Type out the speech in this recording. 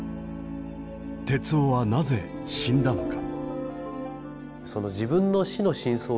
徹生はなぜ死んだのか。